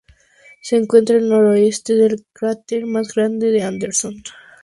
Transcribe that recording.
Se encuentra al noroeste del cráter más grande Anderson.